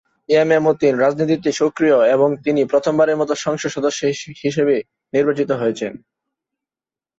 M A Matin রাজনীতিতে সক্রিয় এবং তিনি প্রথম বারের মতো সংসদ সদস্য হিসাবে নির্বাচিত হয়েছেন।